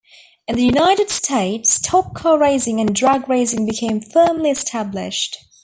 In the United States, stock car racing and drag racing became firmly established.